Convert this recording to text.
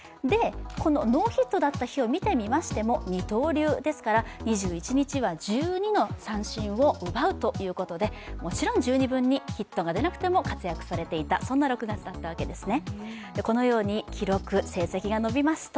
ノーヒットだった日を見てみましても二刀流ですから２１日は１２の三振を奪うということで、もちろん十二分にヒットが出なくても活躍されていたそんな６月だったわけですね。